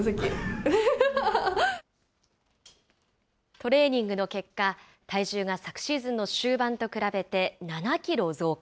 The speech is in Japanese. トレーニングの結果、体重が昨シーズンの終盤と比べて７キロ増加。